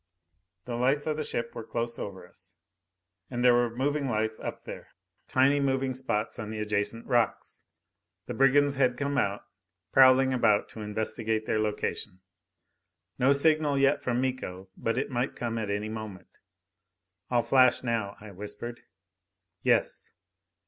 The lights of the ship were close over us. And there were moving lights up there, tiny moving spots on the adjacent rocks. The brigands had come out, prowling about to investigate their location. No signal yet from Miko. But it might come at any moment. "I'll flash now," I whispered. "Yes."